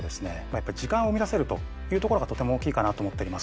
やっぱり時間を生み出せるというところがとても大きいかなと思っております。